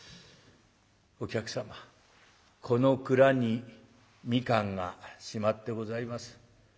お客様この蔵に蜜柑がしまってございます。